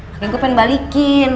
yang gue pengen balikin